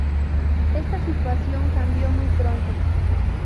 Esta situación cambió muy pronto.